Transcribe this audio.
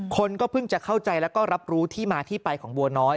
คนก็เพิ่งจะเข้าใจแล้วก็รับรู้ที่มาที่ไปของบัวน้อย